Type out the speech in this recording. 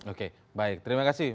oke baik terima kasih